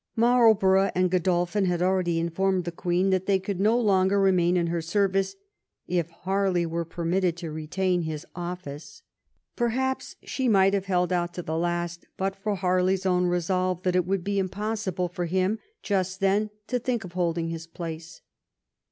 Marlborough and Gkxlolphin had already informed the Queen that they could no longer remain in her service if Harley were permitted to re tain his office. Perhaps she might have held out to the last but for Barley's own resolve that it would be impossible for him just then to think of holding his place.